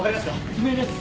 不明です。